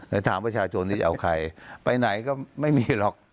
แล้วถามประชาชนนี้จะเอาใครไปไหนก็ไม่มีหรอก